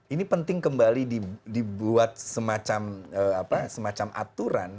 ini penting kembali dibuat semacam aturan